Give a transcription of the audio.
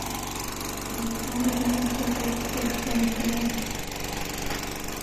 ميرويس خان د ګرګين په غږ جټکه وخوړه!